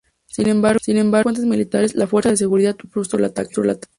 Sin embargo, según fuentes militares, la fuerza de seguridad frustró el ataque.